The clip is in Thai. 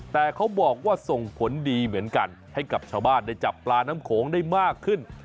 แต่เขาบอกว่าส่งผลดีเหมือนกันให้กับชาวบ้านได้จับปลาน้ำโขงได้มากขึ้น